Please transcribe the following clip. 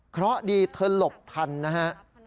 เพราะดีเธอหลบทันนะฮะ